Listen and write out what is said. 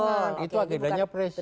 ini bukan agendanya presiden